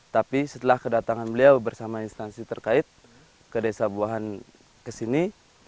tapi setelah kedatangan beliau bersama instansi terkait ke desa buahan kesini